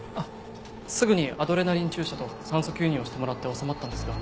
すぐにアドレナリン注射と酸素吸入をしてもらって治まったんですが。